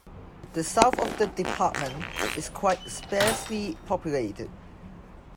The south of the department is quite sparsely populated.